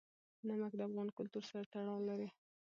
نمک د افغان کلتور سره تړاو لري.